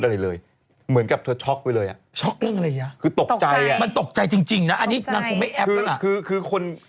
ช็อกเรื่องอะไรอ่ะคือตกใจอ่ะมันตกใจจริงนะอันนี้นางคงไม่แอบแล้วล่ะ